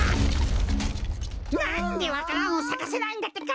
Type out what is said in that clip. なんでわか蘭をさかせないんだってか！